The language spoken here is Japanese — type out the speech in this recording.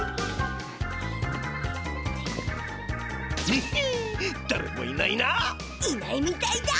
ニヒだれもいないな。